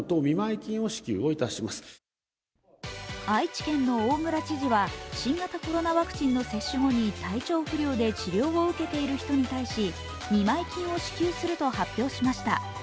愛知県の大村知事は新型コロナワクチンの接種後に体調不良で治療を受けている人に対し、見舞い金を支給すると発表しました。